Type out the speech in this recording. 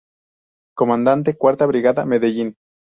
Comandante Cuarta Brigada: Medellín.